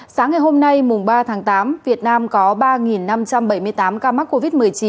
sáng ngày hôm nay mùng ba tháng tám việt nam có ba năm trăm bảy mươi tám ca mắc covid một mươi chín